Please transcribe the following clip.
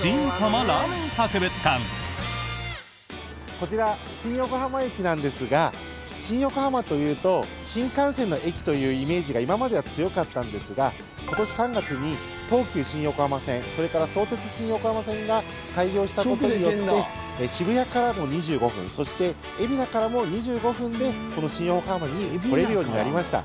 こちら新横浜駅なんですが新横浜というと新幹線の駅というイメージが今までは強かったんですが今年３月に東急新横浜線それから相鉄新横浜線が開業したことによって渋谷からも２５分そして海老名からも２５分でこの新横浜に来れるようになりました。